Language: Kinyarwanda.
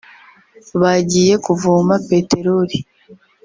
bagiye kuvoma peteroli